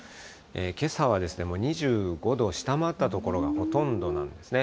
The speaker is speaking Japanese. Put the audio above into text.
けさは２５度を下回った所がほとんどなんですね。